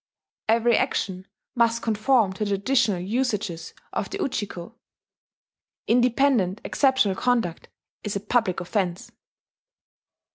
Every action must conform to the traditional usages of the Ujiko: independent exceptional conduct is a public offence.